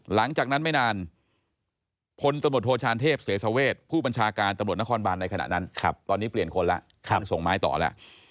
หลังจากนั้นไม่นานพลตำรวจโทชานเทพเสสเวชผู้บัญชาการตำรวจนครบานในขณะนั้นตอนนี้เปลี่ยนคนแล้วไปส่งไม้ต่อแล้ว